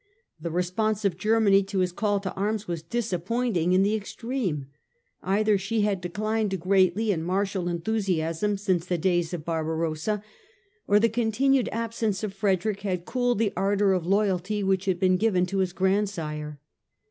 The response of Germany to his call to arms was disappointing in the extreme : either she had declined greatly in martial enthusiasm since the days of Barbarossa, or the continued absence of Frederick had cooled the ardour of loyalty which had been given to his grandsire.